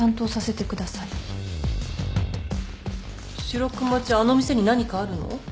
白熊ちゃんあの店に何かあるの？